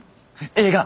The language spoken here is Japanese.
映画！